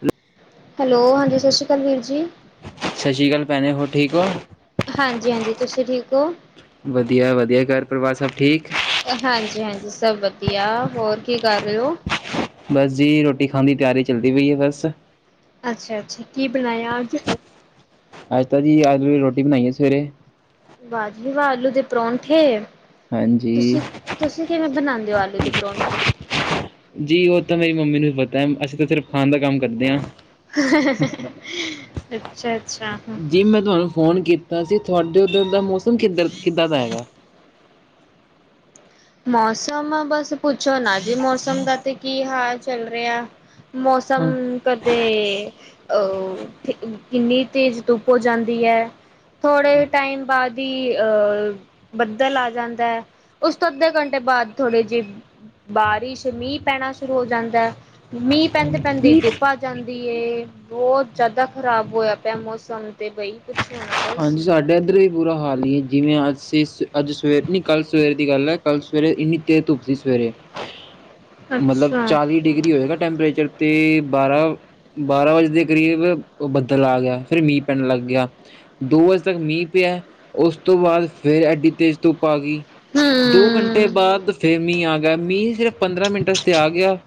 ਹ ਜੋ ਹਂਜੀ ਸਸ ਸ਼੍ਰੀ ਕਾਲ ਵੀਰ ਜੀ। ਸਸ ਸ਼੍ਰੀ ਕਾਲ ਭੈਨੇ ਹੋਰ ਠੀਕ ਔ। ਹਂਜੀ, ਹਂਜੀ ਤੁਸੀਂ ਠੀਕ ਔ। ਵਧੀਆ, ਵਧੀਆ ਘਰ ਪਰਿਵਾਰ ਸਭ ਠੀਕ। ਹਂਜੀ, ਹਂਜੀ ਸਭ ਵਧੀਆ ਹੋਰ ਕੀ ਕਰ ਰੇ ਔ। ਬਸ ਜੀ ਰੋਟੀ ਖਾਨ ਦੀ ਤਿਆਰੀ ਚੱਲਦੀ ਪਈ ਏ ਬਸ ਅੱਛਾ, ਅੱਛਾ ਕੀ ਬਨਾਇਆ ਅਜ। ਅੱਜਤਾ ਜੀ ਆਕੇ ਰੋਟੀ ਬਨਾਈ ਐ ਸਵੇਰੇ। ਵਾਜੀ ਵਾ ਆਲੂ ਦੇ ਪਰੋਂਠੇ। ਹਂਜੀ। ਤੁਸੀਂ ਕਿਵੇਂ ਬਨਾਦੇ ਔ ਆਲੂ ਦੇ ਪਰੌਂਠੇ। ਜੀ ਔਹ ਤਾਂ ਮੇਰੀ ਮੰਮੀ ਨੂੰ ਪਤਾ ਐ ਅਸੀਂ ਤਾਂ ਸਿਰਫ਼ ਖਾਨ ਦਾ ਕੰਮ ਕਰਦੇ ਆਂ। ਅੱਛਾ, ਅੱਛਾ। ਕਿ ਮੈਂ ਤੁਹਾਨੂੰ ਫੋਨ ਕੀਤਾ ਸੀ ਤੁੱਡੇ ਉੱਧਰ ਦਾ ਮੌਸਮ ਕਿੱਧਰ ਕਿੱਦਾਂ ਦਾ ਹੈਗਾ। ਮੌਸਮ ਬਸ ਪੁੱਛੋ ਨਾ ਜੀ ਮੌਸਮ ਦਾ ਤੇ ਕੀ ਹਾਲ ਚੱਲ ਰੈਆ। ਮੌਸਮ। ਹਾਂ ਕਦੇ ਕਿੰਨੀ ਤੇਜ਼ ਧੁੱਪ ਔ ਜੈਂਦੀ ਐ। ਥੋੜੇ ਟੈਮ ਬਾਦ ਈ ਅ ਬੱਦਲ ਆ ਜੈਂਦੈ। ਤੋਂ ਅੱਧੇ ਘੰਟੇ ਬਾਦ ਥੋੜੇ ਜਿਹੇ ਬਾਰਿਸ਼ ਮੀਂਹ ਪੈਨਾ ਸ਼ੁਰੂ ਔ ਜੈਂਦਾ ਐ। ਮੀਂਹ ਪੈਂਦੇ ਪੈਂਦੇ ਈ ਧੁੱਪ ਆ ਜਾਂਦੀ ਏ। ਬੋੱਤ ਜੈ਼ਦਾ ਖ਼ਰਾਬ ਹੋਇਆ ਪਿਆ ਮੌਸਮ ਤੇ ਬਈ ਕੁੱਛ ਹੋਨਾ। ਬਸ ਹਾਂਜੀ ਸਾਡੇ ਇੱਧਰ ਵੀ ਬੁਰਾ ਹਾਲ ਈ ਐ। ਜਿਵੇਂ ਅੱਜਸੀ ਸ ਅੱਜ ਸਵੇਰ ਨ ਕੱਲ ਸਵੇਰ ਦੀ ਗੱਲ ਐ। ਕੱਲ ਸਵੇਰੇ ਇੰਨੀ ਕੇ ਧੁੱਪ ਸੀ ਸਵੇਰੇ। ਮਤਲਬ ਅੱਛਾ ਚਾਲੀ ਡਿਗਰੀ ਹੋਏ ਨਾ ਟੈਂਪਰੇਚਰ ਤੇ ਬਾਰਾ ਬਾਰਾਂ ਵਜੇ ਦੇ ਕਰੀਬ ਬੱਦਲ ਆ ਗਿਆ ਫੇਰ ਮੀਂਹ ਪੈਨ ਲੱਗ ਗਿਆ ਦੋ ਵਜੇ ਤੱਕ ਮੀਂਹ ਪਿਆ। ਉਸ ਤੋਂ ਬਾਦ ਫੇਰ ਐਡੀ ਤੇਜ਼ ਧੁਪ ਆ ਗਈ। ਦੋ ਘੰਟੇ ਹਮ ਬਾਦ ਫੇਰ ਮੀਂਹ ਆ ਗਿਆ। ਮੀਂਹ ਸਿਰਫ ਪੰਦਰਾਂ ਮਿੰਟਾਂ ਤੇ ਆ ਗਿਆ।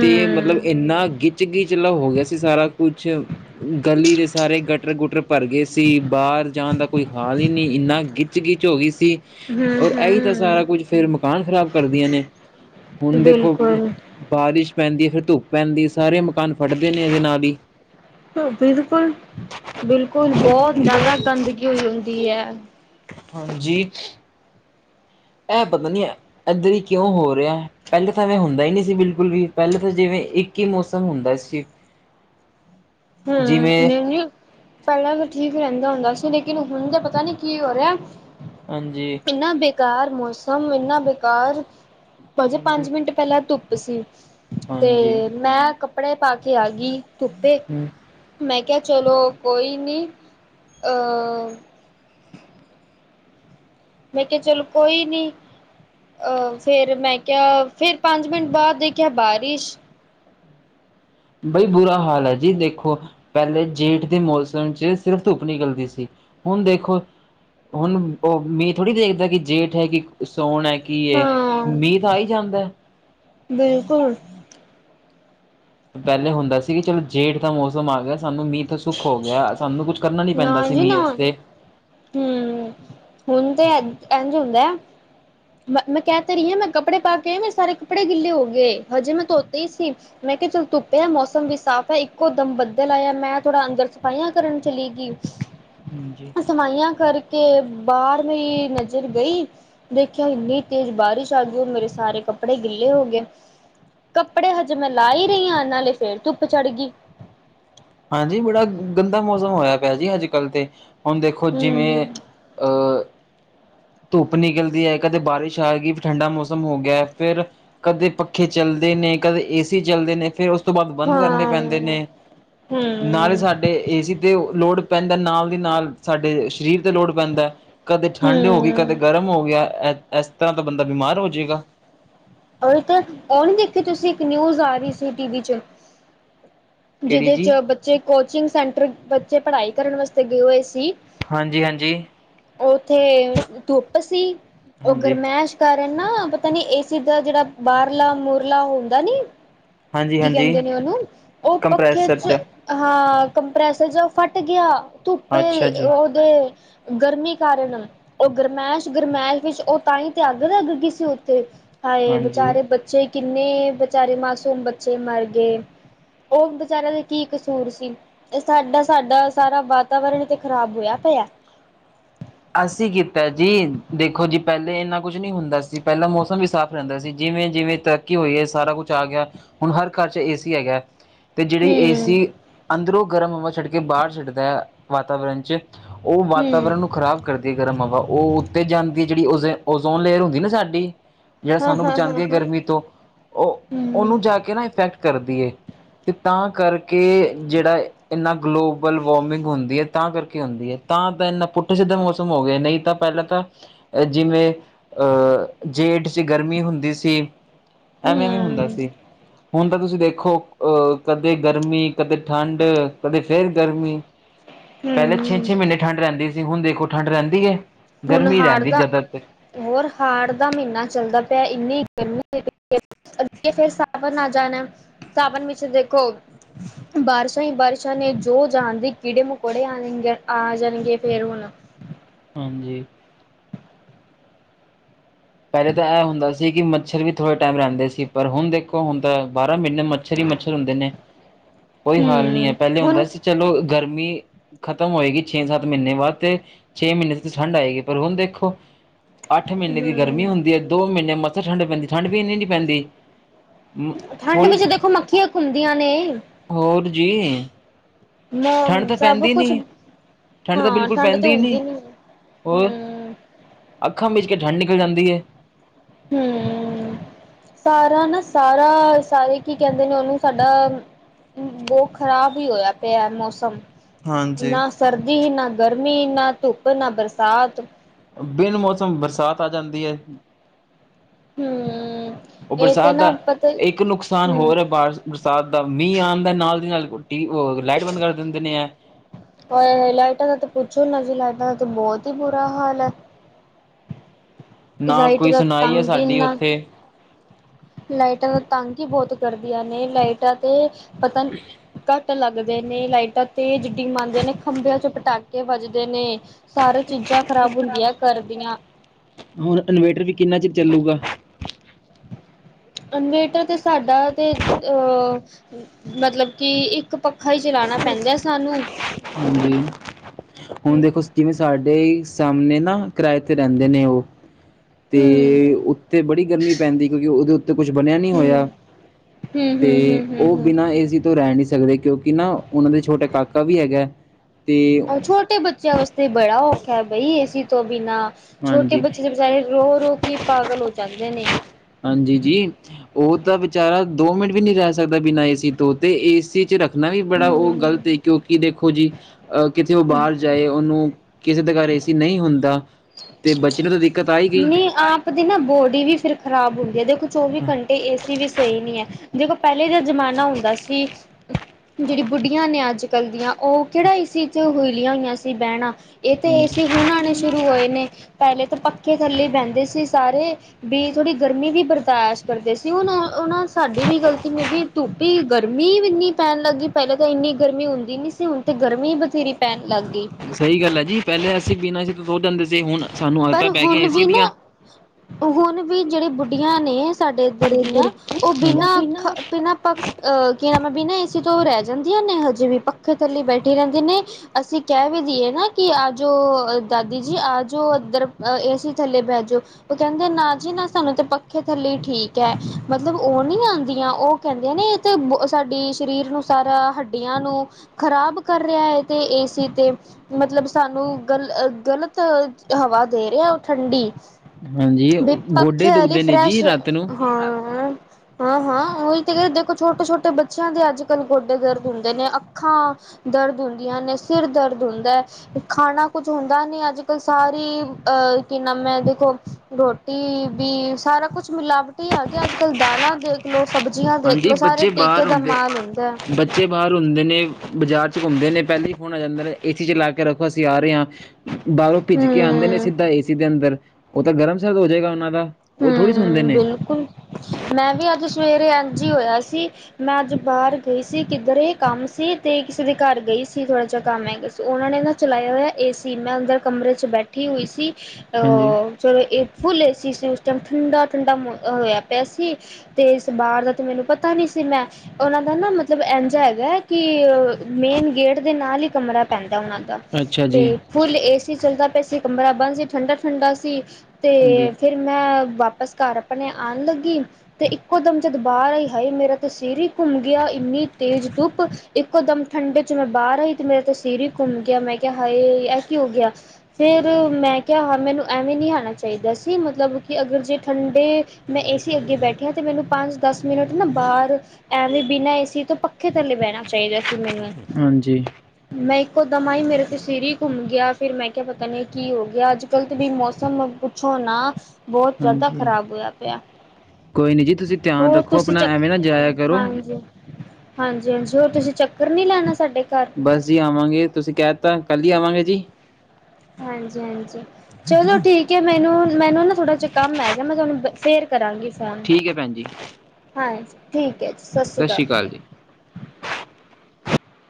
ਤੇ ਮਤਲਬ ਇੰਨਾ ਗਿੱੱਚ ਗਿਚਲਾ ਹੋ ਗਿਆ ਸੀ ਸਾਰਾ। ਕੁਛ ਗਲੀ ਦੇ ਸਾਰੇ ਗੱਟ। ਟੈਟਰ ਗੁਟਰ ਭਰ ਗਏ ਸੀ ਬਾਰ ਜਾਨ ਦਾ ਕੋਈ ਹਾਲ ਹੀ ਨਹੀਂ ਇੰਨਾ ਗਿੱਚ ਗਿੱਚ ਹੋ ਗਈ ਸੀ। ਔਰ ਇਹੀ ਤਾਂ ਸਾਰਾ ਹੂੰ-ਹੂੰ ਕੁੱਝ ਫੇਰ ਮਕਾਨ ਖ਼ਰਾਬ ਕਰਦੀਆਂ ਨੇ। ਹੁਨ ਦੇਖੋ ਬਿਲਕੁਲ ਬਾਰਿਸ਼ ਪੈਂਦੀ ਫੇਰ ਧੁੱਪ ਪੈਂਦੀ। ਸਾਰੇ ਮਕਾਨ ਫੜਦੇ ਨੇ ਇਹਦੇ ਨਾਲ ਹੀ। ਬਿਲਕੁੱਲ ਬਿਲਕੁੱਲ ਬੋੱਤ ਜੈ਼ਦਾ ਗੰਦਗੀ ਹੋਈ ਹੁੰਦੀ ਐ। ਹਂਜੀ। ਅਹ ਪਤਾ ਨੀ ਐ ਐਧਰ ਹੀ ਕਿਉਂ ਹੋ ਰਿਆਐ। ਪੈਲੇ ਤਾਂ ਐਵੇਂ ਹੁੰਦਾ ਹੀ ਨਹੀਂ ਸੀ। ਬਿਲਕੁਲ ਵੀਪੈਲੇ ਤਾਂ ਜਿਵੇਂ ਇੱਕ ਹੀ ਮੌਸਮ ਹੁੰਦਾ ਸੀ। [unintelligible] ਹਮ ਜਿਵੇਂ [inaudible] ਪੇਲਾਂ ਤਾਂ ਠੀਕ ਰੇਂਦਾ ਹੁੰਦਾ ਸੀ, ਲੇਕਿਨ ਹੁਣ ਤਾਂ ਪਤਾ ਨੀ ਕੀ ਹੋ ਰੇ ਆ ਹਾਂਜੀ ਏਨਾ ਬੇਕਾਰ ਮੌਸਮ, ਇੰਨਾ ਬੇਕਾਰ ਹਜੇ ਹਾਂਜੀ ਪੰਜ- ਮਿੰਟ ਪੇਲਾਂ ਧੁੱਪ ਸੀ, ਹਾਂਜੀ ਤੇ ਮੈਂ ਕੱਪੜੇ ਪਾ ਕੇ ਆ ਗਈ ਧੁੱਪੇ ਹਮ ਮੈਂ ਕੇਆ ਚਲੋ ਕੋਈ ਨਈ ਮੈਂ ਕੇਆ ਚਲ ਕੋਈ ਨੀ। ਅ ਫਿਰ ਮੈਂ ਕੇਆ ਫਿਰ ਪੰਜ ਮਿੰਟ ਬਾਅਦ ਦੇਖਿਆ ਬਾਰਿਸ਼। ਬਈ ਬੁਰਾ ਹਾਲ ਹੈ ਜੀ ਦੇਖੋ ਪੇਲੇ ਜੇਠ ਦੇ ਮੌਸਮ ਚ ਸਿਰਫ਼ ਧੁੱਪ ਨਿਕਲਦੀ ਸੀ। ਹੁਣ ਦੇਖੋ ਹੁਣ ਓ ਮੀਹ ਥੋੜ੍ਹੀ ਦੇਖਦਾ ਕਿ ਜੇਠ ਹੈ ਕਿ ਸੋਣ ਐ ਕੀ ਏ ਹਾਂ ਮੀਂਹ ਤਾਂ ਆ ਈ ਜਾਂਦਾ। ਬਿਲਕੁਲ। ਪੇਲੇ ਹੁੰਦਾ ਸੀ ਕਿ ਚਲੋ ਜੇਠ ਦਾ ਮੌਸਮ ਆ ਗੇਆ ਸਾਨੂੰ ਮੀਂਹ ਓਥੇ ਸੁੱਖ ਹੋ ਗੇਆ ਸਾਨੂੰ ਕੁੱਝ ਕਰਨਾ ਨੀ ਪੈਂਦਾ ਸੀ ਮੀਂਹ ਵਾਸਤੇ। ਹੂ ਹੁਣ ਤੇ ਐਜ ਐਂਝ ਹੁੰਦਾ ਮੈਂ -ਮੈਂ ਕੈ ਤੇ ਰਈ ਆ, ਮੈਂ ਕੱਪੜੇ ਪਾ ਕੇ ਆਈ ਮੇਰੇ ਸਾਰੇ ਕੱਪੜੇ ਗਿੱਲੇ ਹੋ ਗਏ, ਹਜੇ ਮੈਂ ਧੋਤੇ ਈ ਸੀ। ਮੈਂ ਕੇਆ ਚਲ ਧੁਪ ਐ, ਮੌਸਮ ਵੀ ਸਾਫ਼ ਹੈ ਇੱਕੋ ਦਮ ਬੱਦਲ ਆਏਆ ਮੈਂ ਥੋੜਾ ਅੰਦਰ ਸਫ਼ਾਈਆਂ ਕਰਨ ਚਲੀ ਗਈ। ਹਾਂਜੀ। ਸਫਾਈਆਂ ਕਰਕੇ ਬਾਰ ਮੇ ਨਜ਼ਰ ਗਈ ਕੀ ਇੰਨੀ ਤੇਜ਼ ਬਾਰਿਸ਼ ਆ ਗਈ ਹੁਣ ਮੇਰੇ ਸਾਰੇ ਕੱਪੜੇ ਗਿੱਲੇ ਹੋ ਗਏ। ਕੱਪੜੇ ਹਜੇ ਮੈਂ ਲਾ ਈ ਰਈ ਆ, ਨਾਲੇ ਫੇਰ ਧੁੱਪ ਚੜ੍ਹ ਗਈ। ਹਾਂਜੀ ਬੜਾ ਗੰਦਾ ਮੌਸਮ ਹੋਏਆ ਪੇਆ ਜੀ ਅੱਜ-ਕੱਲ੍ਹ ਤੇ, ਹੁਣ ਦੇਖੋ ਜਿਵੇਂ ਹੂੰ ਅ ਧੁੱਪ ਨਿਕਲਦੀ ਐ ਕਦੇ ਬਾਰਿਸ਼ ਆਗੀ ਵੀ ਫਿਰ ਠੰਡਾ ਮੌਸਮ ਹੋ ਗੇਆ ਫਿਰ ਕਦੇ ਪੱਖੇ ਚਲਦੇ ਨੇ, ਕਦੇ ਏਸੀ ਚੱਲਦੇ ਨੇ ਫਿਰ ਉਸ ਤੋਂ ਬਾਅਦ ਬੰਦ ਕਰਨੇ ਪੇਂਦੇ ਹਾਂ ਨੇ ਨਾਲੇ ਹੂੰ ਸਾਡੇ ਸਾਡੇ ਏਸੀ ਤੇ ਲੋਡ ਪੇਂਦਾ ਨਾਲ ਦੀ ਨਾਲ ਸਾਡੇ ਸ਼ਰੀਰ ਤੇ ਲੋਡ ਪੇਂਦਾ। ਕਦੇ ਠੰਢ ਹੋ ਗਈ ਕਦੇ ਹੂੰ ਗਰਮ ਹੋ ਗੇਆ, ਏ-ਏਸ ਤਰ੍ਹਾਂ ਤਾ ਬੰਦਾ ਬਿਮਾਰ ਹੋਜੇਗਾ। ਔਰ ਤੇ ਉਹ ਨਈ ਦੇਖੀ ਤੁਸੀਂ ਇੱਕ ਨਿਊਜ਼ ਆ ਰਹੀ ਸੀ ਟੀ- ਵੀ ਚ। ਕਿਹੜੀ ਜਿਦੇ ਚ ਜੀ ਬੱਚੇ ਕੋਚਿੰਗ ਸੈਂਟਰ ਬੱਚੇ ਪੜ੍ਹਾਈ ਕਰਨ ਵਾਸਤੇ ਗਏ ਹੋਏ ਸੀ। ਹਾਂਜੀ ਹਾਂਜੀ ਓ ਓੱਥੇ ਧੁੱਪ ਸੀ, ਓ ਹਾਂਜੀ ਗਰਮੈਸ਼ ਕਾਰਨ ਨਾ ਪਤਾ ਨੀ ਏਸੀ ਦਾ ਜੇੜਾ ਬਾਰਲਾ- ਮੁਰਲਾ ਹੁੰਦਾ ਨੀ ਹਾਂਜੀ ਕੀ ਹਾਂਜੀ ਕੇਂਦੇ ਨੇ ਓਨੂੰ ਓ ਪੱਖੇ ਚ ਹਾਂ ਕੰਪ੍ਰੈਸਰ ਜੇਆ ਫੱਟ ਗੇਆ ਧੁੱਪੇ ਅੱਛਾ ਜੀ ਅ ਧੁਪੇ ਗਰਮੀ ਕਾਰਨ ਓ ਗਰਮੈਸ਼ -ਗਰਮੈਸ਼ ਵਿੱਚ ਓ ਤਾਂਈ ਤੇ ਅੱਗ ਲੱਗ ਗਈ ਸੀ ਓੱਥੇ। ਹਾਏ ਹਾਂਜੀ ਬੇਚਾਰੇ ਬੱਚੇ ਕਿੰਨੇ ਬੇਚਾਰੇ ਮਾਸੂਮ ਬੱਚੇ ਮਰ ਗਏ। ਓ ਵਿਚਾਰੇਆਂ ਦਾ ਕੀ ਕਸੂਰ ਸੀ। ਏ ਸਾਡਾ-ਸਾਡਾ ਸਾਰਾ ਵਾਤਾਵਰਨ ਤੇ ਖ਼ਰਾਬ ਹੋਏਆ ਪੇਆ। ਅਸੀਂ ਕੀਤਾ ਜੀ, ਦੇਖੋ ਜੀ ਪੇਲੇ ਏਨਾ ਕੁਝ ਨੀ ਹੁੰਦਾ ਸੀ ਪੇਲਾਂ ਮੌਸਮ ਵੀ ਸਾਫ਼ ਰੇਂਦਾ ਸੀ ਜਿਵੇਂ -ਜਿਵੇਂ ਤਰੱਕੀ ਹੋਈ ਹੈ ਸਾਰਾ ਕੁੱਛ ਆ ਗੇਆ, ਹੁਣ ਹਰ ਘਰ ਚ ਏ ਸੀ ਹੈਗਾ। ਤੇ ਜੇੜੀ ਏ ਹਮ ਸੀ ਅੰਦਰੋਂ ਗਰਮ ਹਵਾ ਛੱਡ ਕੇ ਬਾਰ ਛੱਡਦਾ ਵਾਤਾਵਰਨ 'ਚ ਓ ਹਮ ਵਾਤਾਵਰਨ ਨੂੰ ਖ਼ਰਾਬ ਕਰਦੀ ਗਰਮ ਹਵਾ। ਓ ਉੱਤੇ ਜਾਂਦੀ ਜੇੜੀ ਓਜ਼ੇ, ਓਜ਼ੇਨ ਲੇਅਰ ਹੁੰਦੀ ਨਾ ਸਾਡੀ ਜੇੜਾ ਹਾਂ ਸਾਨੂੰ ਹਾਂ ਹਾਂ ਬਚਾਂਦੀ ਏ ਹਾਂ ਗਰਮੀ ਤੋਂ ਓ, ਹਮ ਓਨੂੰ ਜਾ ਕੇ ਨਾ ਇਫੈਕਟ ਕਰਦੀ ਏ। ਤੇ ਤਾਂ ਕਰਕੇ ਜਿਹੜਾ ਇੰਹਨਾ ਗਲੋਬਲ ਵੋਰਮਿੰਗ ਹੁੰਦੀ ਹੈ। ਤਾਂ ਕਰਕੇ ਹੁੰਦੀ ਹੈ। ਤਾਂ-ਤਾਂ ਇੰਨੇ ਪੁੱਠੇ ਸਿੱਧੇ ਮੌਸਮ ਹੋ ਗਏ। ਨਹੀਂ ਤਾਂ ਪਹਿਲਾਂ ਤਾਂ ਇਹ ਜਿਵੇਂ, ਆਹ! ਜੇਠ ਚ ਗਰਮੀ ਹੁੰਦੀ ਸੀ। ਐਵੇਂ-ਐਵੇਂ ਹੁੰਦਾ ਹਮ ਸੀ। ਹੁਨ ਤਾਂ ਤੁਸੀ ਦੇਖੋ, ਆਹ! ਕਦੇ ਗਰਮੀ, ਕਦੇ ਠੰਡ, ਕਦੇ ਫੇਰ ਗਰਮੀ। ਪਹਿਲੇ ਹਮ ਛੇ-ਛੇ ਮਹੀਨੇ ਠੰਡ ਰਹਿੰਦੀ ਸੀ। ਹੁਨ ਦੇਖੋ ਠੰਡ ਰਹਿੰਦੀ ਹੈ। ਹੁਨ ਹਾੜ ਦਾ ਹੋਰ ਹਾੜ ਦਾ ਮਹੀਨਾ ਚੱਲਦਾ ਪਿਆ, ਇੰਨੀ ਗਰਮੀ ਹੋਈ ਪਈ ਐ। ਅੱਗੇ ਫੇਰ ਸਾਵਨ ਆ ਜਾਣਾ, ਸਾਵਨ ਵਿੱਚ ਦੇਖੋ [inaudible] ਬਾਰਿਸ਼ਾਂ ਹੀ ਬਾਰਿਸ਼ਾਂ ਨੇਂ। ਜੋ ਜਾਂਦੇ ਹੀ ਕੀੜੇ ਮਕੌੜੇ ਆਏਂਗੇ, ਆ ਜਾਣਗੇ ਫਿਰ ਹੁਣ। ਹਾਂਜੀ। ਪਹਿਲੇ ਤਾ ਇਹ ਹੁੰਦਾ ਸੀ ਸੀ ਕਿ ਮੱਛਰ ਵੀ ਥੋੜ੍ਹੇ ਟਾਈਮ ਰਹਿੰਦੇ ਸੀ। ਪਰ ਹੁਣ ਦੇਖੋ ਹੁਣ ਤਾਂ ਬਾਰਾਂ ਮਹੀਨੇ ਮੱਛਰ ਹੀ ਮੱਛਰ ਹੁੰਦੇ ਨੇਂ। ਕੋਈ ਹਲ ਨਹੀਂ ਹੈ, ਹੂੰ ਪਹਿਲੇ ਹੁੰਦਾ ਹੁਣ ਸੀ ਚਲੋ ਗਰਮੀ ਖਤਮ ਹੋਏਗੀ ਛੇ-ਸੱਤ ਮਹੀਨੇ ਬਾਅਦ, ਤੇ ਛੇ ਮਹੀਨੇ ਚ ਤੇ ਠੰਢ ਆਏਗੀ। ਪਰ ਹੁਣ ਦੇਖੋ ਅੱਠ ਮਹੀਨੇ ਦੀ ਗਰਮੀ ਹੂੰ ਹੁੰਦੀ ਏ। ਦੋ ਮਹੀਨੇ ਮਸਾਂ ਠੰਡ ਪੈਂਦੀ ਏ। ਠੰਡ ਵੀ ਇੰਨੀ ਨੀ ਠੰਡ ਵਿੱਚ ਦੇਖੋ ਮੱਖੀਆਂ ਘੁੰਮਦੀਆਂ ਨੇਂ। ਹੋਰ ਜੀ। ਮ ਠੰਡ ਤਾਂ ਸਭ ਪੈਂਦੀ ਕੁਛ ਨੀ। ਠੰਡ ਤਾਂ ਹਾਂ ਬਿਲਕੁਲ ਠੰਡ ਤੇ ਪੈਂਦੀ ਨੀ, ਹੁੰਦੀ ਹੋਰ ਹੂੰ ਅੱਖਾਂ ਮੀਚ ਕੇ ਠੰਡ ਨਿਕਲ ਜਾਂਦੀ ਹੈ। ਹਮ। ਸਾਰਾ ਨਾ ਸਾਰਾ, ਸਾਰੇ ਕੀ ਕਹਿੰਦੇ ਨੇਂ ਉਹਨੂੰ? ਸਾਡਾ ਉਮ ਬਹੁਤ ਖਰਾਬ ਹੀ ਹੋਇਆ ਪਿਆ ਮੌਸਮ। ਹਾਂਜੀ। ਨਾ ਸਰਦੀ, ਨਾ ਗਰਮੀ, ਨਾ ਧੁੱਪ, ਨਾ ਬਰਸਾਤ। ਬਿਨ ਮੌਸਮ ਬਰਸਾਤ ਆ ਜਾਂਦੀ ਹੈ। ਹੂੰ, ਉਹ ਇਹ ਤੇ ਬਰਸਾਤ ਦਾ ਨਾ ਪਤਾ ਇੱਕ ਨੁਕਸਾਨ ਹੂੰ ਹੋਰ ਹੈ। ਬਾਰਿ ਬਰਸਾਤ ਦਾ, ਮੀਂਹ ਆਉਣ ਦੇ ਨਾਲ ਦੀ ਨਾਲ ਕੋਈ ਟੀ, ਉਹ ਲਾਈਟ ਬੰਦ ਕਰ ਦਿੰਦੇ ਨੇਂ ਇਹ। ਓਏ ਹੋਏ! ਲਾਈਟਾਂ ਦਾ ਤਾਂ ਪੁੱਛੋ ਨਾ ਜੀ, ਲਾਈਟਾਂ ਦਾ ਤੇ ਬਹੁਤ ਹੀ ਬੁਰਾ ਹਾਲ ਹੈ। ਨਾ ਲਾਈਟ ਕੋਈ ਦਾ ਸੁਣਵਾਈ ਹੈ ਤੰਗ ਸਾਡੀ ਇੰਨਾ ਉੱਥੇ। ਲਾਈਟਾਂ ਤਾਂ ਤੰਗ ਹੀ ਬਹੁਤ ਕਰਦੀਆਂ ਨੇਂ, ਲਾਈਟਾਂ ਤੇ ਪਤਾ ਨ ਘੱਟ ਲੱਗਦੇ ਨੇਂ। ਲਾਈਟਾਂ ਤੇਜ, ਡਿਮ ਆਦੀਆਂ ਨੇਂ, ਖੰਭਿਆਂ ਚੋ ਪਟਾਕੇ ਵੱਜਦੇ ਨੇਂ। ਸਾਰੀ ਚੀਜਾਂ ਖਰਾਬ ਹੁੰਦੀਆਂ ਘਰਦੀਆਂ। ਹੁਣ ਇਨਵੇਟਰ ਵੀ ਕਿੰਨਾ ਚਿਰ ਚੱਲੂਗਾ? ਇਨਵੇਟਰ ਤੇ ਸਾਡਾ ਤੇ ਆਹ! ਮਤਲਬ ਕਿ ਇੱਕ ਪੱਖਾ ਹੀ ਚਲਾਉਣਾ ਪੈਂਦਾ ਏ ਸਾਨੂੰ। ਹਾਂਜੀ, ਹੂੰ, ਹੁਣ ਦੇਖੋ ਸ ਜਿਵੇਂ ਸਾਡੇ ਹੀ ਸਾਹਮਨੇ ਨਾ ਕਿਰਾਏ ਤੇ ਰਹਿੰਦੇ ਨੇ ਉਹ, ਹੂੰ, ਹੂੰ, ਤੇ ਉੱਥੇ ਬੜੀ ਗਰਮੀ ਪੈਂਦੀ ਐ। ਕਿਉਂਕਿ ਉਹਦੇ ਉ ਤੇ ਕੁਛ ਬਨੀਆ ਨੀ ਹੋਇਆ। ਹੂੰ, ਤੇ ਹੂੰ, ਹੂੰ, ਉਹ ਹੂੰ। ਬਿਨਾਂ ਏ ਸੀ ਤੋਂ ਰਹਿ ਨਹੀਂ ਸਕਦੇ। ਕਿ ਨਾ ਉਹਨਾਂ ਦੇ ਛੋਟਾ ਕਾਕਾ ਵੀ ਹੈਗਾ ਤੇ ਆਹੋ, ਛੋਟੇ ਬੱਚਿਆਂ ਵਾਸਤੇ ਬੜਾ ਔਖਾ ਹੈ ਬਈ, ਏ ਸੀ ਤੋਂ ਬਿਨਾਂ। ਛੋਟੇ ਹਾਂਜੀ ਬੱਚੇ ਤਾਂ ਬਚਾਰੇ, ਰੋ-ਰੋ ਕੇ ਹੀ ਪਾਗਲ ਹੋ ਜਾਂਦੇ ਨੇਂ। ਹਾਂਜੀ ਜੀ-ਜੀ ਉਹ ਤਾਂ ਬਿਚਾਰਾ ਦੋ ਮਿੰਟ ਵੀ ਨਹੀਂ ਰਹਿ ਸਕਦਾ ਬਿਨਾਂ ਏ ਸੀ ਤੋਂ। ਤੇ ਏ ਸੀ ਚ ਰੱਖ ਨਾ ਵੀ ਬੜਾ ਉਹ ਹੂੰ, ਗਲਤ ਹੈ। ਕਿਉਂਕਿ ਦੇਖੋ ਜੀ, ਆਹ! ਕਿਤੇ ਉਹ ਬਾਹਰ ਜਾਏ। ਉਹਨੂੰ ਕਿਸੇ ਦੇ ਘਰ ਏ ਸੀ ਨਹੀਂ ਹੁੰਦਾ ਤੇ ਬੱਚੇ ਨੂੰ ਤਾ ਦੇਖ ਨੀਂ, ਆਪ ਦੀ ਨਾ ਬੋਡੀ ਵੀ ਫਿਰ ਖਰਾਬ ਹੁੰਦੀ ਐ ਦੇਖੋ, ਚੌਵੀ ਘੰਟੇ ਏਸੀ ਵੀ ਸਈ ਨਈਂ ਐ ਦੇਖੋ, ਪੈਲੇ ਜੇਆ ਜਮਾਨਾ ਹੁੰਦਾ ਸੀ ਜੇੜੀ ਬੁੱਢੀਆਂ ਨੇ ਅੱਜ-ਕੱਲ ਦੀਆਂ ਓ ਕੇੜਾ ਏਸੀ ਚ ਹੀਂਲੀਆਂ ਹੋਈਆਂ ਸੀ ਬੈਣਾ। ਏਤੇ ਹਾਂਜੀ ਏਸੀ ਹੁਣ ਆਣੇ ਸ਼ੁਰੂ ਹੋਏ ਨੇ। ਪੈਲੇ ਤੇ ਪੱਖੇ ਥੱਲੇ ਬੈਂਦੇ ਸੀ ਸਾਰੇ, ਬਈ ਥੋੜੀ ਗਰਮੀ ਵੀ ਬਰਦਾਸ਼ ਕਰਦੇ ਸੀ ਹੁਣ ਓਨਾ ਸਾਡੀ ਵੀ ਗਲਤੀ ਨੀਏ ਧੁੱਪ ਬਈ ਗਰਮੀ ਵੀ ਇੰਨੀ ਪੈਣ ਲੱਗ ਗਈ ਪੈਲੇ ਤਾਂ ਇੰਨੀ ਗਰਮੀ ਹੁੰਦੀ ਨਈਂ ਸੀ ਹੁਣ, ਤਾਂ ਗਰਮੀ ਬਥੇਰੀ ਪੈਣ ਲੱਗ ਗਈ। ਸਈ ਗੱਲ ਐਜੀ ਪੈਲੇ ਅਸੀਂ ਬਿਨਾਂ ਏਸੀ ਤੋਂ ਸੋਂ ਜਾਂਦੇ ਸੀ ਹੁਣ, ਸਾਨੂੰ ਆਦਤਾਂ ਪਰ ਪੈ ਗਈਆਂ ਹੁਣ ਏਸੀ ਵੀ ਦੀਆ। ਨਾ ਹੁਣ ਵੀ ਜੇੜੇ ਬੁੱਢੀਆਂ ਨੇ ਸਾਡੇ ਇਧਰ ਦੀਆਂ, ਓ ਬਿਨਾਂ ਹਾਂਜੀ ਅ ਬਿਨਾਂ ਪ ਅਹ ਕੀ ਨਾਮ ਏ ਬਿਨਾਂ ਏਸੀ ਤੋਂ ਰਰੈ ਜਾਂਦੀਆਂ ਨੇ ਹਜੇ, ਵੀ ਪੱਖੇ ਥੱਲੀ ਬੈਠੀ ਰੈਂਦੇ ਨੇ। ਅਸੀਂ ਕੈ ਵੀ ਦੀਏ ਨਾ, ਕਿ ਅੱਜੋ ਦਾਦੀ ਜੀ ਆਜੋ, ਏਦਰ ਏਸੀ ਥੱਲੇ ਬੈਜੋ। ਓ ਕੈਂਨਗੇ ਨਾ ਜੀ ਨਾ, ਸਾਨੂੰ ਤੇ ਪੱਖੇ ਥੱਲੇ ਈ ਠੀਕ ਐ ਮਤਲਬ, ਓ ਨਈਂ ਆਂਦੀਆਂ ਓ। ਕੈਂਦੇ ਆ ਨੇ ਤੇ ਬ ਸਾਡੀ ਸਰੀਰ ਨੂੰ ਸਾਰਾ, ਹੱਡੀਆਂ ਨੂੰ ਖਰਾਬ ਕਰ ਰੇਯਾ ਏਤੇ ਏਸੀ ਤੇ ਮਤਲਬ ਸਾਨੂੰ ਗਲ ਗਲਤ ਅ ਹਵਾ ਦੇ ਰੇਯਾ, ਓ ਠੰਡੀ। ਹਾਂਜੀ ਵੀ ਗੋਡੇ ਪੱਖੇ ਹਲੀ ਦੁਖਦੇ ਨੇ ਜੀ ਫਰੈਸ਼, ਰਾਤ ਨੂੰ। ਹਾਂ। ਹਾਂ-ਹਾਂ ਓਹੀ ਤਾਂ ਕੇਯਾ ਦੇਖੋ, ਛੋਟੇ-ਛੋਟੇ ਬੱਚੇਆਂ ਦੇ ਅੱਜ-ਕੱਲ ਗੋਡੇ ਦਰਦ ਹੁੰਦੇ ਨੇ ਅੱਖਾਂ ਦਰਦ ਹੁੰਦੀਆਂ ਨੇ, ਸਿਰ ਦਰਦ ਹੁੰਦੈ। ਖਾਣਾ ਕੁੱਝ ਹੁੰਦਾ ਨ ਅੱਜ ਸਾਰੀ ਅਹ ਕੀ ਨਾਮ ਐ ਦੇਖੋ, ਰੋਟੀ ਵੀ ਸਾਰਾ ਕੁਛ ਮਿਲਾ ਕੀ ਆ ਗਯਾ ਅੱਜ-ਕੱਲ ਦਾਲਾਂ ਦੇਖਲੋ, ਸਬਜ਼ੀਆਂ ਹਾਂਜੀ ਦੇਖਲੋ, ਸਾਰੇ ਬੱਚੇ ਟੀਕੇ ਬਾਹਰ ਦਾ ਹੁੰਦੇ ਮਾਲ ਹੁੰਦੈ। ਬੱਚੇ ਬਾਰ ਹੁੰਦੇ ਨੇ ਬਜ਼ਾਰ ਚ ਘੁੰਮਦੇ ਨੇ ਪੈਲੇ ਈ ਫੋਨ ਆ ਜਾਂਦੇ ਨੇ ਏਸੀ ਚਲਾ ਕੇ ਰੱਖੋ, ਅਸੀਂ ਆ ਰੇ ਆਂ। ਬਾਰੋਂ ਭਿੱਜ ਕੇ ਆਂਦੇ ਨੇ ਹਮ ਸਿੱਧਾ ਏਸੀ ਦੇ ਅੰਦਰ, ਓ ਤਾਂ ਗਰਮ-ਸਰਦ ਹੋ ਜੇਗਾ ਓਨਾਂ ਦਾ। ਉਹ ਥੋੜ੍ਹੀ ਸੁਣਦੇ ਹੂੰ, ਨੇ ਬਿਲਕੁਲ ਮੈਂ ਵੀ ਅੱਜ ਸਵੇਰੇ ਐੰਜੀ ਹੋਆ ਸੀ। ਮੈਂ ਅੱਜ ਬਾਰ ਗਈ ਸੀ ਕਿੱਧਰੇ ਕੰਮ ਸੀ, ਤੇ ਕਿਸੇ ਦੇ ਘਰ ਗਈ ਸੀ ਥੋੜਾ ਜੇਆ ਕੰਮ ਹੈਗਾ ਸੀ। ਓਨਾਂ ਨੇ ਨਾ ਚਲਾਆ ਹੋਆ ਏਸੀ, ਮੈਂ ਅੰਦਰ ਕਮਰੇ 'ਚ ਬੈਠੀ ਹੋਈ ਸੀ। ਹਾਂਜੀ ਚਲੋ, ਏ ਫੁੱਲ ਏਸੀ ਸੀ ਓ ਟਾਈਮ ਠੰਡਾ-ਠੰਡਾ ਮੋ ਹੋਇਆ ਪੇਆ ਸੀ। ਤੇ ਇਸ ਬਾਰ ਦਾ ਤੇ ਮੈਨੂੰ ਪਤਾ ਨ ਸੀ ਮੈਂ, ਓਨਾਂ ਦਾ ਨਾ ਮਤਲਬ ਐਂਜ ਹੈਗਾ ਕਿ ਮੇਨ ਗੇਟ ਦੇ ਨਾਲ ਈ ਕਮਰਾ ਪੈਂਦਾ ਓਨਾਂ ਦਾ ਅੱਛਾ ਤੇ ਜੀ ਫੁੱਲ ਏਸੀ ਚੱਲਦਾ ਪੇਆ ਸੀ, ਕਮਰਾ ਬੰਦ ਸੀ ਠੰਡਾ-ਠੰਡਾ ਸੀ, ਹਾਂਜੀ ਤੇ ਫੇਰ ਮੈਂ ਵਾਪਸ ਘਰ ਅਪਨੇ ਆਣ ਲੱਗੀ ਤੇ, ਇੱਕੋ ਦੱਮ ਜੱਦ ਬਾਰ ਆਈ ਹਏ! ਮੇਰਾ ਤੇ ਸੇਰ ਈ ਘੁੰਮ ਗੇਆ, ਏਨੀ ਤੇਜ ਧੁੱਪ ਇਕੋ ਦੱਮ ਠੰਡੇ ਚ ਮੈਂ ਬਾਰ ਆਈ ਤੇ ਮੇਰੇ ਤੇ ਸੇਰ ਈ ਘੁੰਮ ਗਿਆ, ਮੈਂ ਕੇਯਾ ਹਾਏ! ਐ ਕੀ ਹੋ ਗਯਾ? ਫਿਰ ਮੈਂ ਕੇਯਾ ਹਾਂ, ਮੈਨੂੰ ਐਵੇਂ ਨੀ ਆਣਾ ਚਾਈਦਾ ਸੀ, ਮਤ ਮਤਲਬ ਕਿ ਅਗਰ ਜੇ ਠੰਡੇ, ਮੈਂ ਏਸੀ ਅੱਗੇ ਬੈਠੀਆਂ ਤੇ ਮੈਨੂੰ ਪੰਜ ਦੱਸ ਮਿੰਟ ਨਾ ਬਾਰ, ਐਵੇਂ ਬਿਨਾਂ ਏਸੀ ਤੋਂ ਪ ਪੱਖੇ ਥੱਲੇ ਬੈਣਾ ਚਾਈਦਾ ਸੀ ਮੈਨੂੰ। ਹਾਂਜੀ ਮੈਂ ਇੱਕੋ ਦੱਮ ਆਈ ਮੇਰੇ ਤੇ ਸੇਰ ਈ ਘੁੰਮ ਗਯਾ, ਫੇਰ ਮੈਂ ਕੇਯਾ ਪਤਾ ਨੀ ਕੀ ਹੋ ਗਯਾ, ਅੱਜ-ਕੱਲ ਤੇ ਵੀ ਮੌਸਮ ਪੂਛੋ ਨਾ ਬੋਤ ਜਾਦਾ ਹਾਂਜੀ ਖਰਾਬ ਗਯਾ ਪੇਆ। ਕੋਈ ਨੀਂ ਜੀ, ਤੁਸੀਂ ਧਿਆਨ ਰੱਖੋ ਅਪਨਾ, ਐਵੇਂ ਨਾ ਜਾਯਾ ਕਰੋ। ਹਾਂਜੀ-ਹਾਂਜੀ, ਹੋਰ ਤੁਸੀਂ ਚੱਕਰ ਨੀ ਲਾਣਾ, ਸਾਡੇ ਘਰ? ਬਸ ਜੀ ਆਵਾਂਗੇ, ਤੁਸੀਂ ਕੈਤਾ ਕੱਲ ਈ ਆਵਾਂਗੇ ਜੀ। ਹਾਂਜੀ-ਹਾਂਜੀ। ਚਲੋ ਠੀਕ ਐ ਮੈਨੂੰ, ਮੈਨੂੰ ਨਾ ਥੋੜਾ ਜਾ ਕੰਮ ਹੈਗਾ। ਮੈਂ ਤੁਆਨੂੰ ਫੇਰ ਕਰਾਂਗੀ। ਫੋਨ ਠੀਕ ਹੈ ਭੈਣ ਜੀ ਹਾਂਜੀ ਠੀਕ ਹੈ ਜੀ ਸਤਿ ਸ਼੍ਰੀ ਅਕਾਲ